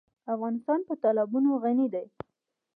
افغانستان په تالابونه غني دی.